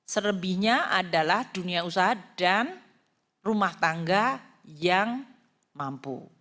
selebihnya adalah dunia usaha dan rumah tangga yang mampu